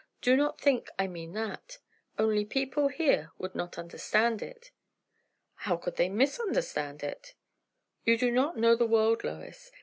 Do not think I mean that. Only, people here would not understand it." "How could they _mis_understand it?" "You do not know the world, Lois.